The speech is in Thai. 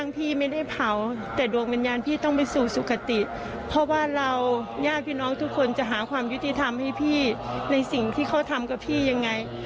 เพื่อนน้องทุกคนจะหาความยุติธรรมให้พี่ในสิ่งที่เขาทำกับพี่ยังไง